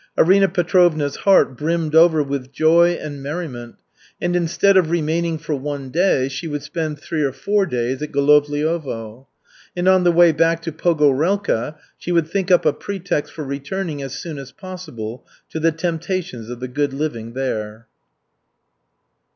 Arina Petrovna's heart brimmed over with joy and merriment and instead of remaining for one day, she would spend three or four days at Golovliovo. And on the way back to Pogorelka she would think up a pretext for returning as soon as possible to the temptations of the "good living" there.